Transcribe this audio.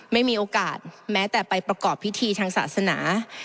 ไม่มีโอกาสแม้แต่ไปประกอบพิธีทางศาสนา